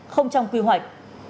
không trong quy hoạch